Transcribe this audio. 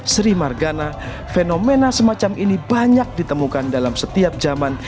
sri margana fenomena semacam ini banyak ditemukan dalam setiap zaman